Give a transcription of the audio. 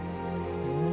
うん。